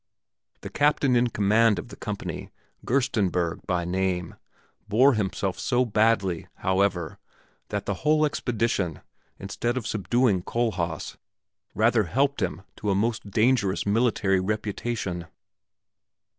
The captain in command of the company, Gerstenberg by name, bore himself so badly, however, that the whole expedition, instead of subduing Kohlhaas, rather helped him to a most dangerous military reputation.